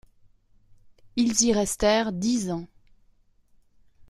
Ils y restèrent dix ans.